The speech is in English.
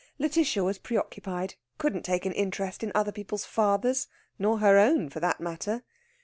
Lætitia was preoccupied couldn't take an interest in other people's fathers, nor her own for that matter.